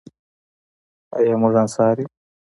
آیا موږ انصار یو؟